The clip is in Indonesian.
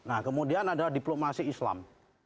nah kemudian ada diplomasi islam